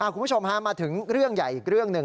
คุณผู้ชมฮะมาถึงเรื่องใหญ่อีกเรื่องหนึ่ง